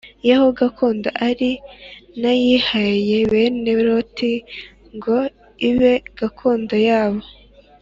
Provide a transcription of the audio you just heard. ye ho gakondo ari+ nayihaye bene loti+ ngo ibe gakondo yabo